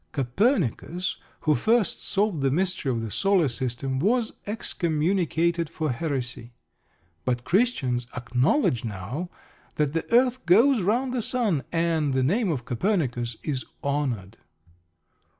Copernicus, who first solved the mystery of the Solar System, was excommunicated for heresy. But Christians acknowledge now that the earth goes round the sun, and the name of Copernicus is honoured.